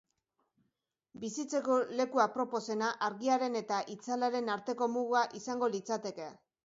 Bizitzeko leku aproposena argiaren eta itzalaren arteko muga izango litzateke.